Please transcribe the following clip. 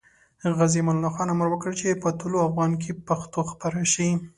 غازي امان الله خان امر وکړ چې په طلوع افغان کې پښتو خپاره شي.